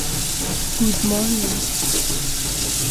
All human beings seem to produce language in essentially the same way.